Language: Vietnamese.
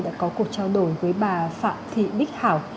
đã có cuộc trao đổi với bà phạm thị bích hảo